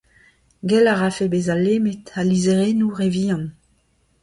Gell' a rafe bezañ lemmet al lizherennoù re vihan.